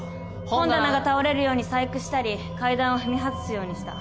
本棚が倒れるように細工したり階段を踏み外すようにした。